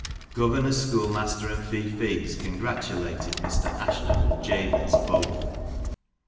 Governor, schoolmaster, and feoffees congratulated Mr. Ashton and Jabez both.